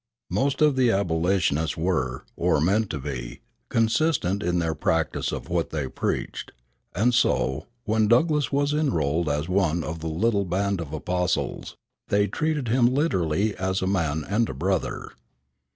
Most of the abolitionists were, or meant to be, consistent in their practice of what they preached; and so, when Douglass was enrolled as one of the little band of apostles, they treated him literally as a man and a brother.